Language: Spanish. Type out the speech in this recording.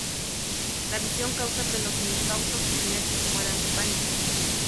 La visión causa que los incautos jinetes mueran de pánico.